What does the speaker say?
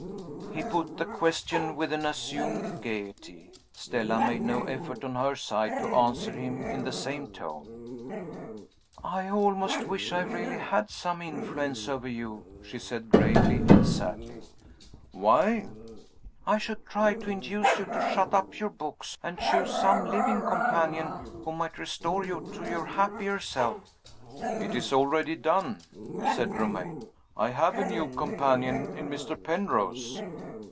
He put the question with an assumed gayety. Stella made no effort, on her side, to answer him in the same tone. "I almost wish I really had some influence over you," she said, gravely and sadly. "Why?" "I should try to induce you to shut up your books, and choose some living companion who might restore you to your happier self." "It is already done," said Romayne; "I have a new companion in Mr. Penrose."